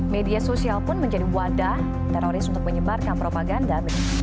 media sosial pun menjadi wadah teroris untuk menyebarkan propaganda